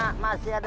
aku masih temanmu